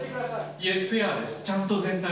いえ、フェアです。